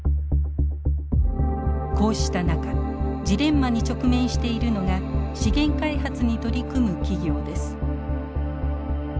こうした中ジレンマに直面しているのが資源開発に取り組む企業です。